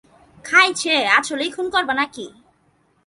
খাইছে, আসলেই খুন করবা নাকি?